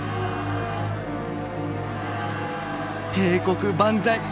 「帝国万歳！